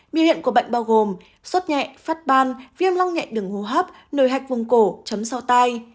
biểu hiện của bệnh bao gồm sốt nhẹ phát ban viêm long nhẹ đường hô hấp nồi hạch vùng cổ chấm sau tai